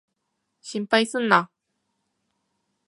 心配すんな。